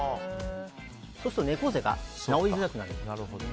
そうすると猫背が治りづらくなる。